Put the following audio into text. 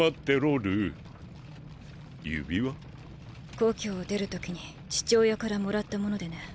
故郷を出る時に父親からもらったものでね。